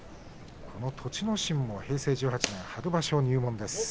栃ノ心、平成１８年春場所入門です。